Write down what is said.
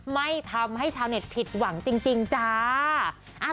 ไม่ทำให้ชาวเน็ตผิดหวังจริงจ้า